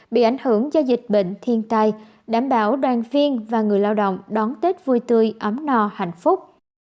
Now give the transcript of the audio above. bị ảnh hưởng do dịch bệnh thiên tai đảm bảo đoàn viên và người lao động đón tết vui tươi ấm no hạnh phúc